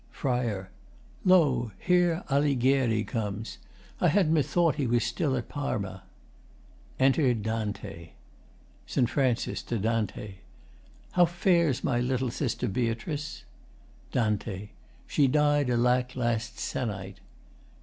FRI. Lo! Here Alighieri comes. I had methought me he was still at Parma. [Enter DANTE.] ST. FRAN. [To DAN.] How fares my little sister Beatrice? DAN. She died, alack, last sennight.